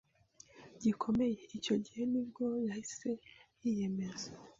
gikomeye icyo gihe nibwo yahise yiyemeza